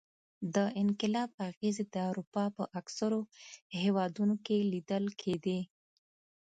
د انقلاب اغېزې د اروپا په اکثرو هېوادونو کې لیدل کېدې.